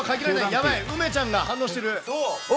やばい、梅ちゃんが反応してる。